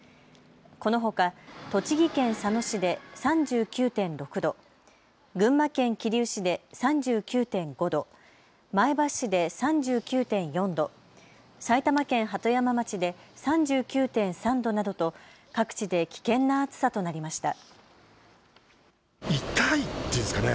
このほか、栃木県佐野市で３９．６度、群馬県桐生市で３９．５度、前橋市で３９．４度、埼玉県鳩山町で３９．３度などと各地で危険な暑さとなりました。